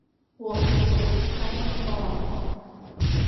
หัวมงกุฏท้ายมังกร